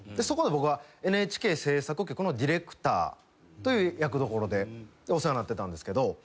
そこで僕はＮＨＫ制作局のディレクターという役どころでお世話になってたんですけど。